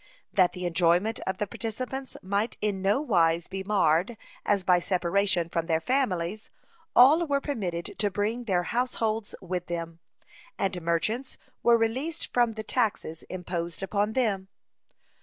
(24) That the enjoyment of the participants might in no wise be marred, as by separation from their families, all were permitted to bring their households with them, (25) and merchants were released from the taxes imposed upon them.